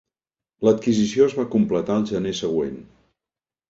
L'adquisició es va completar el gener següent.